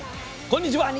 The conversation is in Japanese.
こんにちは。